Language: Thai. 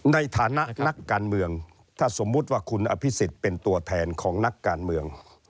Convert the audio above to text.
ในฐานะนักการเมืองถ้าสมมุติว่าคุณอภิษฎเป็นตัวแทนของนักการเมือง